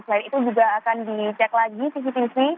selain itu juga akan dicek lagi cctv